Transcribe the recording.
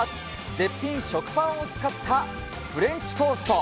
絶品食パンを使ったフレンチトースト。